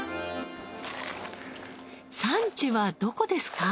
産地はどこですか？